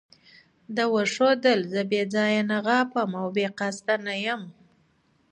ده وښودل چې زه بې ځایه نه غاپم او بې قصده نه یم.